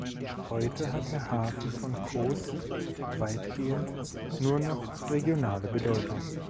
Heute hat der Hafen von Kos weitgehend nur noch regionale Bedeutung.